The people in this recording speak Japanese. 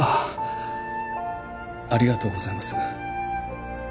ありがとうございます。